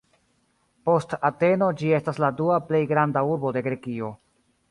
Post Ateno ĝi estas la dua plej granda urbo de Grekio.